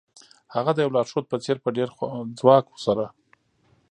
هغه د یو لارښود په څیر په ډیر ځواک سره